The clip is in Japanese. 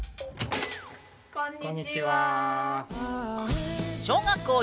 こんにちは！